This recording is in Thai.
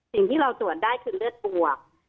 สิ่งที่เราตรวจได้คือเลือดบวก